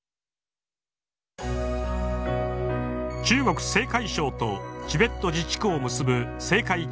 中国・青海省とチベット自治区を結ぶ青海